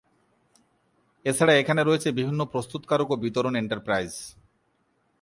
এছাড়া এখানে রয়েছে বিভিন্ন প্রস্তুতকারক ও বিতরন এন্টারপ্রাইজ।